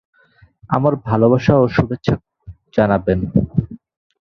আমার ভালবাসা ও শুভেচ্ছা জানবেন।